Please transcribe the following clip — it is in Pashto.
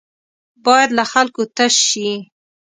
بايد له خلکو تش شي.